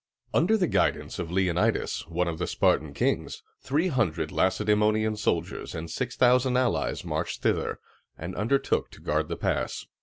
Under the guidance of Le on´i das, one of the Spartan kings, three hundred Lacedæmonian soldiers and six thousand allies marched thither, and undertook to guard the pass.